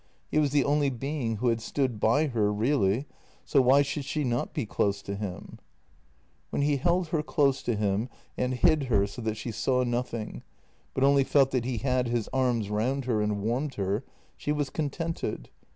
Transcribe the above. He was the only being who had stood by her really — so why should she not be close to him ? When he held her close to him and hid her so that she saw nothing, but only felt that he had his arms round her and warmed her, she was contented.